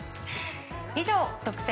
以上、特選！！